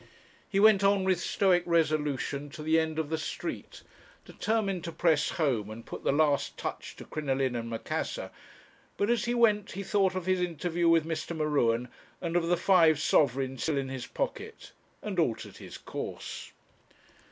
He went on with stoic resolution to the end of the street, determined to press home and put the last touch to 'Crinoline and Macassar;' but as he went he thought of his interview with Mr. M'Ruen and of the five sovereigns still in his pocket, and altered his course.